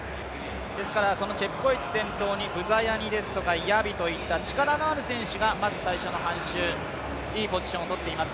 チェプコエチ中心に、ブザヤニですとか、ヤビといった力のある選手がまず最初の半周、いいポジションをとっています。